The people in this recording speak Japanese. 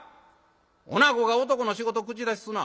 おなごが男の仕事口出しすな。